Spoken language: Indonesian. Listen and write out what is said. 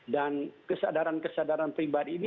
dan kesadaran kesadaran pribadi ini